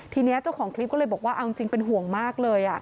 ทีนี้เจ้าของคลิปก็เลยบอกว่าเอาจริงเป็นห่วงมากเลย